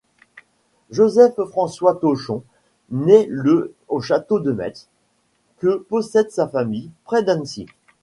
Joseph-François Tochon naît le au château de Metz, que possède sa famille, près d'Annecy.